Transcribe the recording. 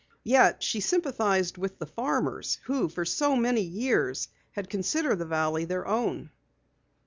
Yet she sympathized with the farmers who for so many years had considered the valley their own.